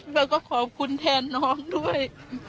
แล้วก็ขอบคุณแทนน้องด้วย